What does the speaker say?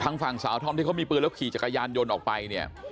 ฝั่งสาวธอมที่เขามีปืนแล้วขี่จักรยานยนต์ออกไปเนี่ย